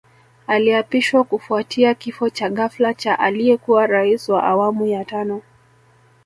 Aliapishwa kufuatia kifo cha ghafla cha aliyekuwa Rais wa Awamu ya Tano